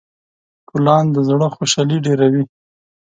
ګلان د زړه خوشحالي ډېروي.